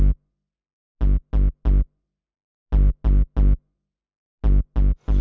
ridiculous kamu hah